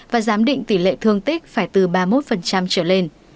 và giám định tỷ lệ thương tích phải từ ba mươi một trở lên